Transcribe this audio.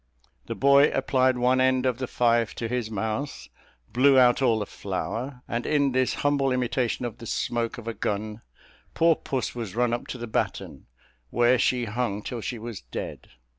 The boy applied one end of the fife to his mouth, blew out all the flour, and in this humble imitation of the smoke of a gun, poor puss was run up to the batten, where she hung till she was dead.